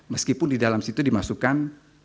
meskipun di dalam situ dimasukkan